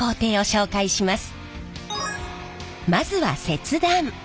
まずは切断。